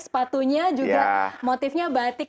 sepatunya juga motifnya batik